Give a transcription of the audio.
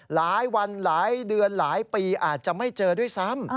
หลายวันหลายเดือนหลายปีอาจจะไม่เจอด้วยซ้ำ